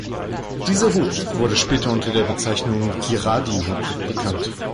Dieser Hut wurde später unter der Bezeichnung „Girardi-Hut“ bekannt.